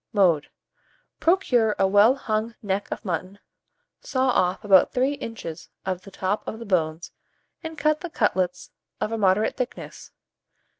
Mode. Procure a well hung neck of mutton, saw off about 3 inches of the top of the bones, and cut the cutlets of a moderate thickness.